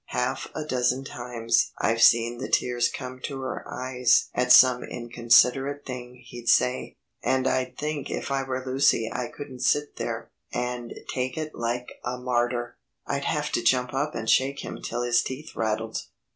Half a dozen times I've seen the tears come to her eyes at some inconsiderate thing he'd say, and I'd think if I were Lucy I couldn't sit there and take it like a martyr. I'd have to jump up and shake him till his teeth rattled."